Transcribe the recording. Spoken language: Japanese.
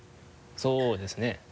そうですね。